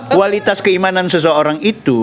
kualitas keimanan seseorang itu